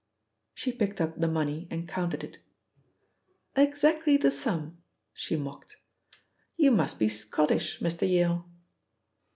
She picked up the money and counted it. "Exactly the sum," she mocked. "You must be Scottish, Mr. Yale."